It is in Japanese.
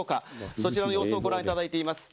こちらの映像をご覧いただいています。